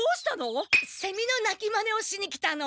セミの鳴きマネをしに来たの。